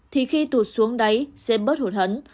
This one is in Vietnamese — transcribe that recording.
thì khi tụt xuống đáy sẽ bớt hụt hẳn